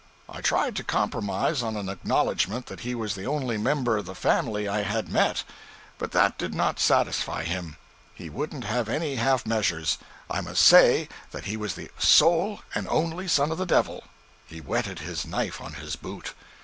I tried to compromise on an acknowledgment that he was the only member of the family I had met; but that did not satisfy him; he wouldn't have any half measures; I must say he was the sole and only son of the Devil he whetted his knife on his boot.